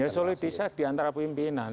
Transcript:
ya solidisat diantara pimpinan